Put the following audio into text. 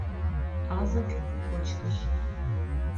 Азык — кочкыш.